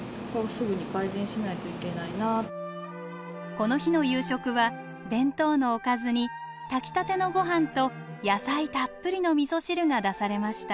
この日の夕食は弁当のおかずに炊きたてのごはんと野菜たっぷりのみそ汁が出されました。